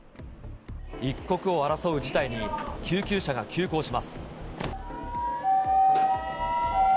一刻を争う事態に救急車が急行します。